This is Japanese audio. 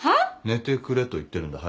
「寝てくれ」と言ってるんだ。